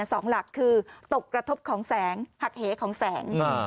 สองหลักคือตกกระทบของแสงหักเหของแสง